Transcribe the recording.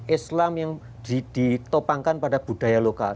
islam yang ditopangkan pada budaya lokal